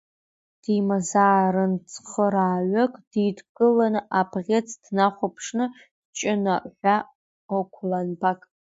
Димазаарынцхырааҩык дидкыланы абӷьыц днахәаԥшны Ҷына ҳәа Гәланбак.